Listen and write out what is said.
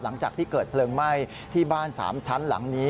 หลังจากที่เกิดเพลิงไหม้ที่บ้าน๓ชั้นหลังนี้